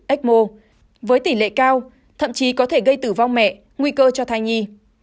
ecmo với tỷ lệ cao thậm chí có thể gây tử vong mẹ nguy cơ cho thai nhi